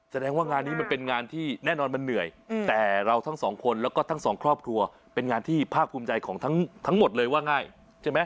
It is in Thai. แสดงว่างานนี้มันเป็นงานที่แน่นอนมันเหนื่อยแต่เราทั้งสองคนแล้วก็ทั้งสองครอบครัวเป็นงานที่ภาคภูมิใจของทั้งหมดเลยว่าง่ายใช่ไหม